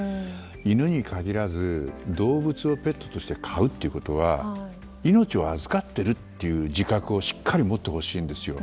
犬に限らず動物をペットとして飼うということは命を預かっているという自覚をしっかり持ってほしいんですよ。